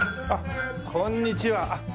あっこんにちは。